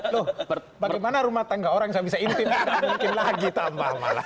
loh bagaimana rumah tangga orang yang bisa intin nggak ada mungkin lagi tambah malah